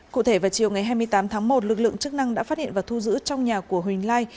cụ thể vào chiều ngày hai mươi tám tháng một lực lượng chức năng đã phát hiện và thu giữ trong nhà của huỳnh lai